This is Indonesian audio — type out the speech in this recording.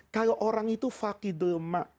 kalau orang itu fakidul mak